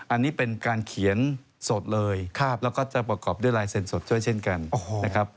อันนี้เป็นการเขียนสดเลยแล้วก็จะประกอบด้วยลายเซ็นสดด้วยเช่นกันนะครับ